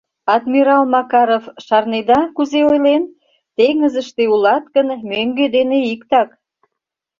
Адмирал Макаров, шарнеда, кузе ойлен: «Теҥызыште улат гын, мӧҥгӧ дене иктак».